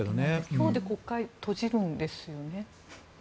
今日で国会閉じるんですよね？